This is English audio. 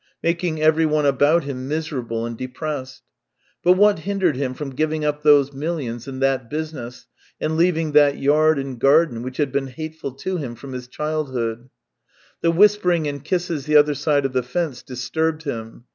making everyone about him miserable and de pressed. But what hindered him from giving up those millions and that business, and leaving that yard and garden which had been hateful to him from his childhood? The whispering and kisses the other side of the fence disturbed him.